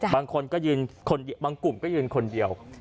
บางคนก็ยืนบางกลุ่มก็ยืนคนเดียว